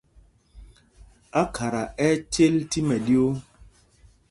Ákhata ɛ́ ɛ́ cěl tí mɛɗyuu.